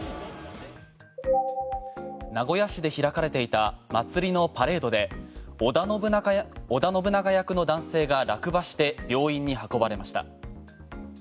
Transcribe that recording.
名古屋市で開かれていた祭りのパレードで織田信長役の男性が落馬して病院に運ばれました。